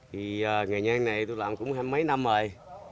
thì nghề nhang này tôi làm cũng hai mấy năm rồi